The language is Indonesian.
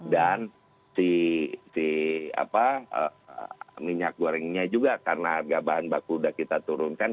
dan si apa minyak gorengnya juga karena harga bahan baku udah kita turunkan